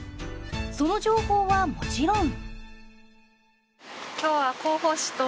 その情報はもちろん。